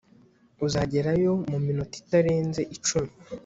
uzagerayo muminota itarenze icumi